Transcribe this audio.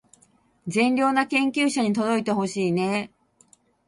善良な研究者に届いてほしいねー